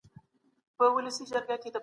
هغه څوک چي بد چلند کوي، يوازي پاته کېږي.